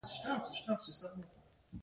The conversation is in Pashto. د اوبو تصفیې ماشینونه بازار لري؟